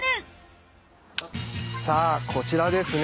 さあこちらですね